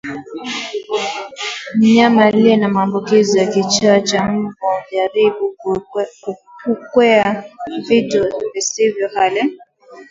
Mnyama aliye na maambukizi ya kichaa cha mbwa hujaribu kukwea vitu visivyo hai